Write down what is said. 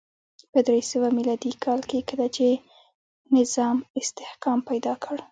په درې سوه میلادي کال کې کله چې نظام استحکام پیدا کړ